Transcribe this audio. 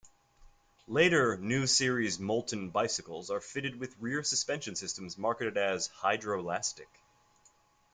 Later 'New Series' Moulton bicycles are fitted with rear suspensions systems marketed as 'Hydrolastic'.